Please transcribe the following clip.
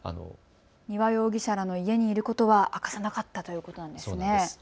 丹羽容疑者らの家にいることは明かさなかったということですね。